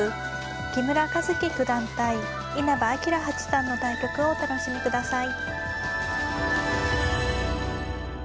木村一基九段対稲葉陽八段の対局をお楽しみください。